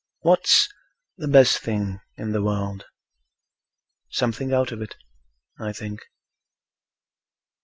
What's the best thing in the world? Something out of it, I think.